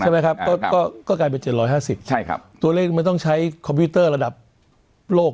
ใช่ไหมครับก็ก็กลายเป็น๗๕๐ใช่ครับตัวเลขมันต้องใช้คอมพิวเตอร์ระดับโลก